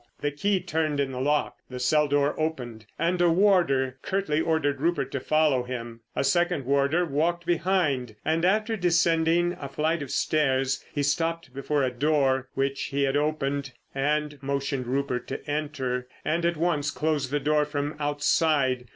The key turned in the lock, the cell door opened, and a warder curtly ordered Rupert to follow him. A second warder walked behind, and, after descending a flight of stairs, he stopped before a door which he opened and motioned Rupert to enter, and at once closed the door from outside.